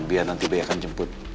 biar nanti b akan jemput